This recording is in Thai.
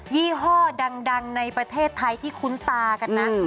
ี่ห้อดังในประเทศไทยที่คุ้นตากันนะ